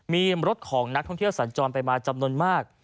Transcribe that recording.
มีรถของนักท่องเที่ยวสัญจรไปมาจำนวนมาก